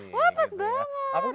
wah pas banget